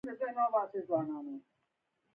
د انسان له زوکړې نه د هغه تر مرګه پورې دوام مومي.